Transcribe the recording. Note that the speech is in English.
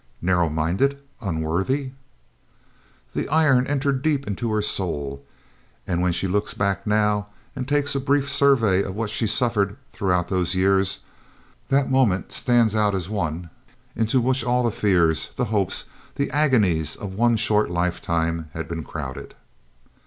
Narrow minded, unworthy! The iron entered deep into her soul; and when she looks back now and takes a brief survey of what she suffered throughout those years, that moment stands out as one into which all the fears, the hopes, the agonies of one short lifetime had been crowded.